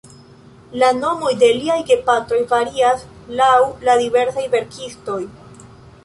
La nomoj de liaj gepatroj varias laŭ la diversaj verkistoj.